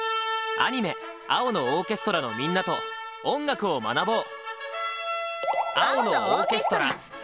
アニメ「青のオーケストラ」のみんなと音楽を学ぼう！